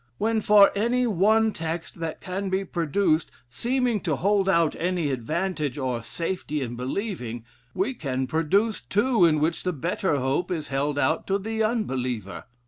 When for any one text that can be produced, seeming to hold out any advantage or safety in believing, we can produce two in which the better hope is held out to the unbeliever?